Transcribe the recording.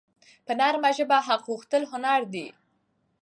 په نرمه ژبه حق غوښتل هنر دی.